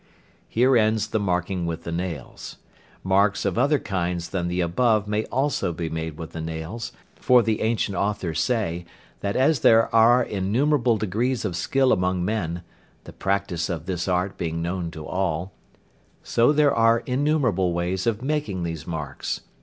Here ends the marking with the nails. Marks of other kinds than the above may also be made with the nails, for the ancient authors say, that as there are innumerable degrees of skill among men (the practice of this art being known to all), so there are innumerable ways of making these marks.